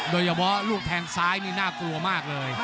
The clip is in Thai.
โดยเฉพาะลูกแทงซ้ายนี่น่ากลัวมากเลย